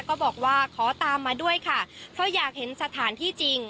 ก็บอกว่าขอตามมาด้วยค่ะเพราะอยากเห็นสถานที่จริง